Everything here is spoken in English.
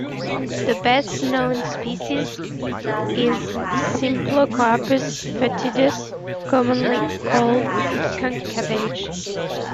The best known species is "Symplocarpus foetidus", commonly called "skunk cabbage.